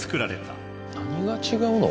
何が違うの？